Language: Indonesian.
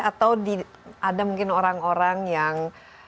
atau ada mungkin orang orang yang